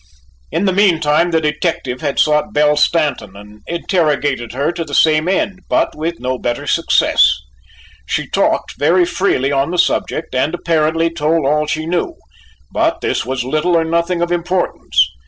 In the meanwhile the detective had sought Belle Stanton and interrogated her to the same end, but with no better success. She talked very freely on the subject and apparently told all she knew, but this was little or nothing of importance.